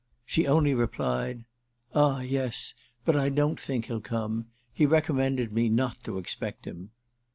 She only replied: "Ah yes, but I don't think he'll come. He recommended me not to expect him."